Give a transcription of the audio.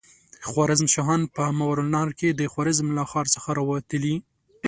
خوارزم شاهان په ماوراالنهر کې د خوارزم له ښار څخه را وتلي.